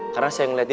karena saya melihatnya